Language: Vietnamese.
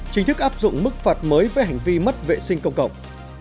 chính thức áp dụng mức phạt mới với hành vi mất vệ sinh công cộng